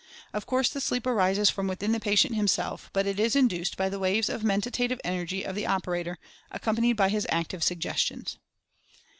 Of course the "sleep" arises from within the patient himself — but it is induced by the waves of Mentative Energy of the operator, accompanied by his active Suggestions.